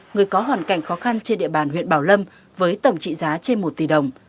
người có hoàn cảnh khó khăn trên địa bàn huyện bảo lâm với tổng trị giá trên một tỷ đồng